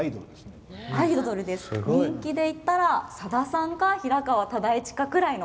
人気でいったら、さださんか平川唯一かぐらいの。